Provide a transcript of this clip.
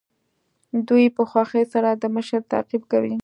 دوی په خوښۍ سره د مشر تعقیب کوي.